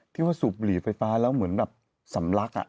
ที่ว่าสูบหลีไฟฟ้าแล้วเหมือนแบบสำลัก